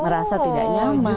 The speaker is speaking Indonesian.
merasa tidak nyaman